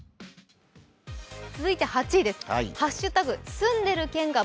続いて８位です。＃